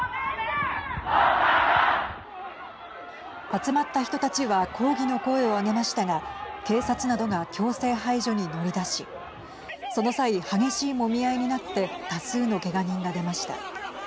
集まった人たちは抗議の声を上げましたが警察などが強制排除に乗り出しその際、激しいもみ合いになって多数のけが人が出ました。